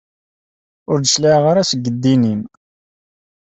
Ur d-cliɛeɣ ara seg ddin-im.